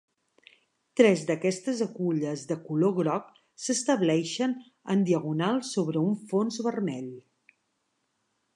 Tres d'aquestes agulles de color groc s'estableixen en diagonal sobre un fons vermell.